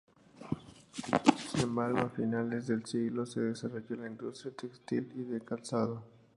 Sin embargo, a finales del siglo se desarrolló la industria textil y del calzado.